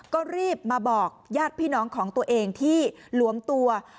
ก็รีบมาบอกญาติพี่น้องของตัวเองที่หลวมตัว